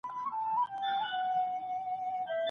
پوښتنه وکړئ چي په دې حالت کي څه کولای سم.